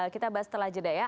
kita bahas setelah jeda ya